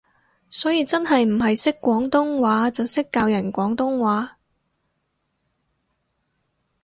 所以真係唔係識廣東話就識教人廣東話